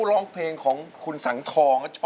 ตื่นแล้วนะ